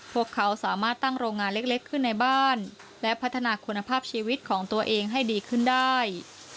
พวกเขาสามารถตั้งโรงงานเล็กขึ้นในบ้านและพัฒนาคุณภาพชีวิตของตัวเองให้ดีขึ้นได้